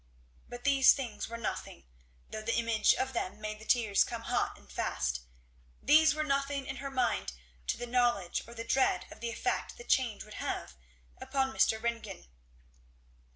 But these things were nothing, though the image of them made the tears come hot and fast, these were nothing in her mind to the knowledge or the dread of the effect the change would have upon Mr. Ringgan.